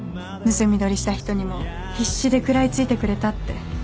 盗み撮りした人にも必死で食らい付いてくれたって。